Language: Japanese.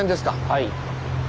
はい。